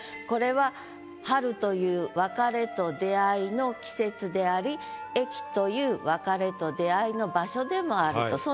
これは春という別れと出会いの季節であり駅という別れと出会いの場所でもあると。